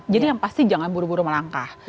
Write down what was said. jadi yang pasti jangan buru buru melangkah